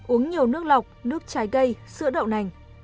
uống nhiều nước lọc nước trái cây sữa đậu nành